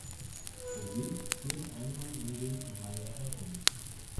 Der Weg führt einmal um den Weiher herum.